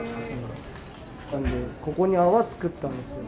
ここに泡作ったんですよ。